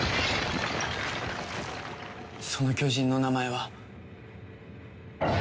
その巨人の名前は。